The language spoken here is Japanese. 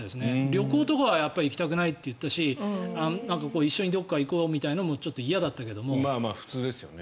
旅行とかは行きたくないって言ったし一緒にどこか行こうみたいなのもまあ、普通ですよね。